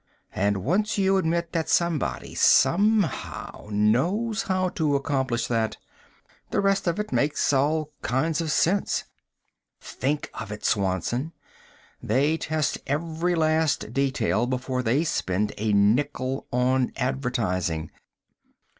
And once you admit that somebody, somehow, knows how to accomplish that, the rest of it makes all kinds of sense. "Think of it, Swanson! They test every last detail before they spend a nickel on advertising!